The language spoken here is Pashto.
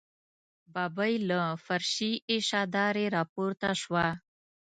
ببۍ له فرشي اشدارې راپورته شوه.